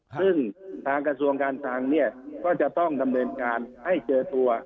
ซึ่งทางกระทรวงการคลังเนี่ยก็จะต้องดำเนินการให้เจอตัว